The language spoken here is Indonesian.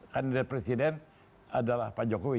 kandidat presiden adalah pak jokowi